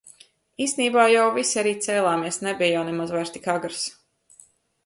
Īstenībā jau visi arī cēlāmies, nebija jau nemaz vairs tik agrs.